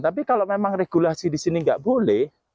tapi kalau memang regulasi di sini nggak boleh